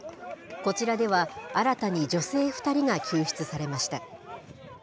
こちらでは新たに女性２人が救出されました。